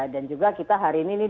dan juga kita hari ini nih